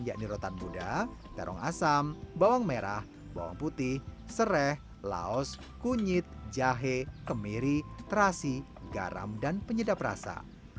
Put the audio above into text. yakni rotan muda terong asam bawang merah bawang putih serai laos kunyit jahe kemiri terasi garam dan penyedap rasa